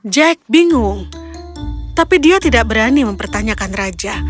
jack bingung tapi dia tidak berani mempertanyakan raja